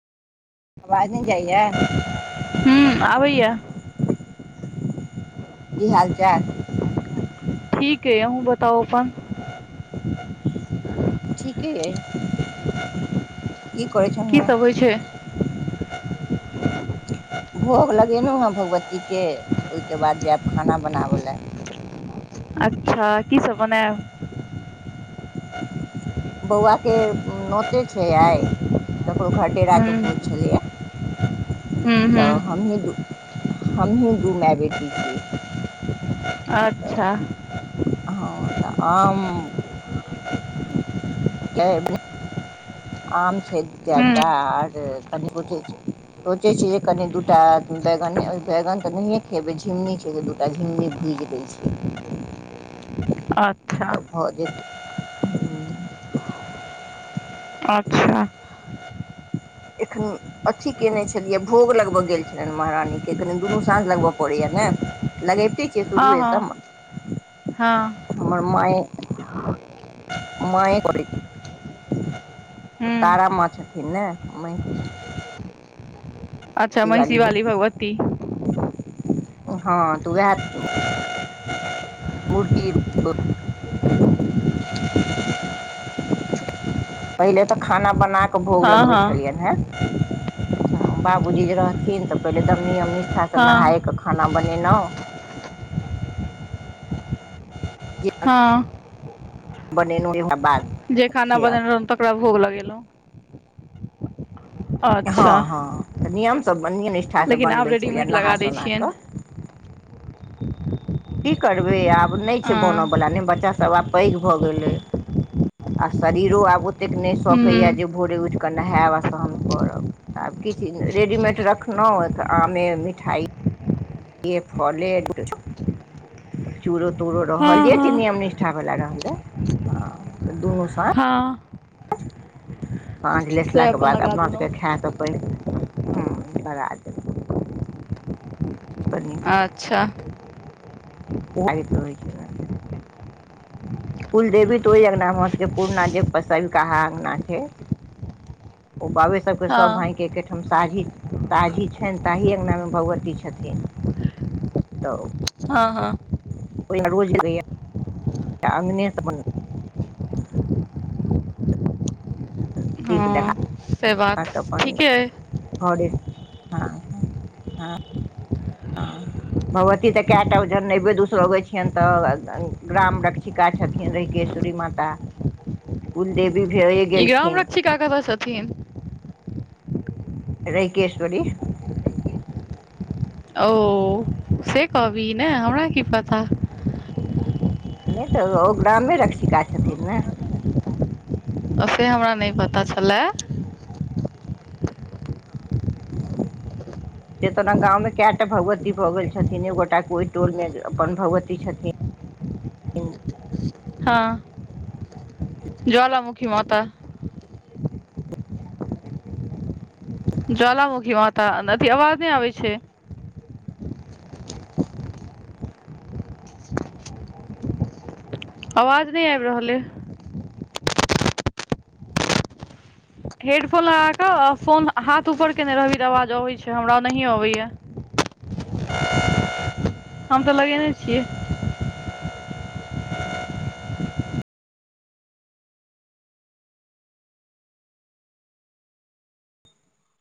आवाज नहि जाइया हूँ आबैया। की हाल चाल ठीक ऐ औहूँ बताउ अपन। ठीके अइ। की करै छलहुँ की हेँ सब होइ छैय। भोग लगेलहुँ हेँ भगवतीके ओहिके बाद जायब खाना बनाब लए। अच्छा की सब बनएब। बौआ के नोते छै आइ। ककरो घरडेराके भोज हूँ छलैया हूँ हूँ तऽ हमही दू हमही दू माय बेटी छीयै। अच्छा। हँ तऽ आम। [unintelligible] आम छैय चारि हूँ टा आर कनि सोचय छी। सोचय छी जे कनि दूटा बैगन, बैगन तऽ नहिए खेबै झिमनी छैय जे दू तऽ झिमनी भुजि दै छीयै। अच्छा। हूँ। अच्छा। एखन अथी कयने छलियै, भोग लगब गेल छलियनि महारानीके, कनि दुनू साँझ लगबय पड़ैया ने। लगैबते हँ हँ हँ। [unintelligible] हमर माँए। माँए करै ओ हूँ तारा माँ छथिन ने माँए। अच्छा वाली महिषीवाली भगवती। हँ तऽ ओहए। मूर्ति। पहिले तऽ खाना बना कऽ भोग हँ लगबै हँ छलियनि हेँ। बाबूजी जे रहथिन तऽ पहिले एकदम नियम निष्ठासँ हँ नहायके खाना बनेनहुँ। जे। [unintelligible] हँ। बनेनहूँ बाद। जे खाना खेलक बनेने रहौ तकरा भोग लगेलहुँ। हँ अच्छा हँ तऽ नियमसँ नियम निष्ठासँ लेकिन आब बनबै छलियए रेडीमेड नहा लगा दै सोना कऽ। छियनि [unintelligible] की करबै आब नहि छै हँ बनयवला नहि बच्चासभ आब पैघ भऽ गेलै। आ शरीरो आब ओतेक नहि हूँ सकैया जे भोरे उठि क के नहायब आ तहन करब आब किछु रेडीमेड रखलहुँ आमे मिठाइ। ये फले। चूरो तूड़ो रहल हँ जे चीज नियम हँ निष्ठा वला रहलै। हँऽ त दुनू साँझ। हाँ। साँझ से लेसलाके अपन बाद लगा अपना देलहुँ सभके खाए स पहि। हूँ भरा देब पन्नी। अच्छा। उघारैत रहै छै न। कुल देवी तऽ ओहि अंगना हमर सबके पुरना जे सैबीकहा अंगना छै। ओ बाबे सबके हँ सब भायके। एकेहिठाम साझी साझी छनि ताहि अगंनामे भगवती छथिन। तऽ। हँ हँ। ओ रोज अने सम [unintelligible] दिप देखा हँ से बात त अपन ठीके अइ घरे ह- हँ। भगवती तऽ कए टा ओ जन नहिबे दोसर अबै छियनि तऽ ग्राम रक्षिका छथिन। र केेश्वरी माता। [unintelligible] कुल देवी भे ई ग्राम रक्षिका कतऽ छथिन। रैिकेश्वरी। ओ से कहबी ने हमरा की पता। नहि तऽ ओ ग्रामे रक्षिका छथिन ने। ओ से हमरा नहि पता छलए। आ [unintelligible] से तोरा गांव में केटा भगवती भऽ गेल छथिन एक गोटा के ओहि टोल मे अपन भगवती छथिन। हँ ज्वालमुखी माता। ज्वालामुखी माता, अथी आवाज नहि आबै छै। आवाज नहि आबि रहल अइ। हेडफोन लगा कऽ, आ फोन हाथ ऊपर केने रहबी तऽ आवाज अबैत छै, हमरा नहियए अबैया। हम तऽ लगेने छियै।